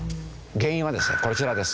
原因はですねこちらです。